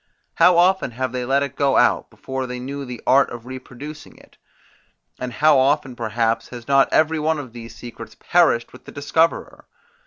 How often have they let it go out, before they knew the art of reproducing it? And how often perhaps has not every one of these secrets perished with the discoverer?